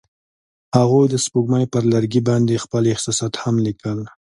هغوی د سپوږمۍ پر لرګي باندې خپل احساسات هم لیکل.